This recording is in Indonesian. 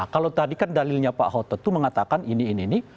kalau tadi kan dalilnya pak hotot itu mengatakan ini ini ini